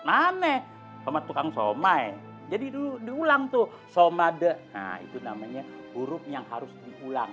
aneh sama tukang somai jadi dulu diulang tuh somade nah itu namanya huruf yang harus diulang